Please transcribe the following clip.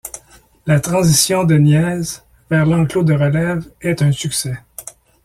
La transition de Niese vers l'enclos de relève est un succès.